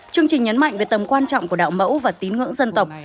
chương trình nhấn mạnh về tầm quan trọng của đạo mẫu và tín ngưỡng dân tộc